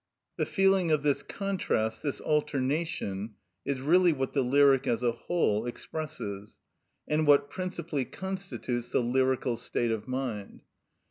The feeling of this contrast, this alternation, is really what the lyric as a whole expresses, and what principally constitutes the lyrical state of mind.